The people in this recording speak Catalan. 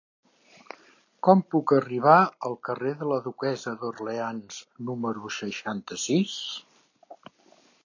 Com puc arribar al carrer de la Duquessa d'Orleans número seixanta-sis?